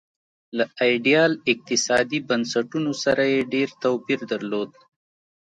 له ایډیال اقتصادي بنسټونو سره یې ډېر توپیر درلود.